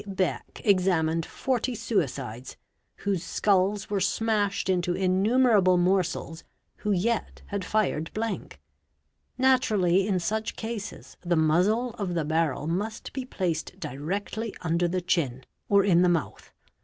Beck examined © forty suicides, whose skulls were smashed into innumerable morsels, who yet had fired blank. Naturally in such cases the muzzle of the barrel ~ must be placed directly under the chin or in the mouth.